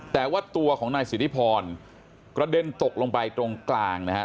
แต่ว่าตัวของนายสิทธิพรกระเด็นตกลงไปตรงกลางนะฮะ